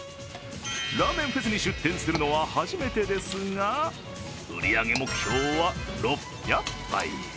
ラーメンフェスに出店するのは初めてですが、売り上げ目標は６００杯。